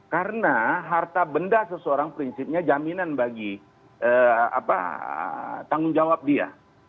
karena harta benda seseorang prinsipnya jaminan bagi tanggung jawab dia